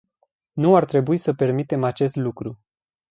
Nu ar trebui să permitem acest lucru.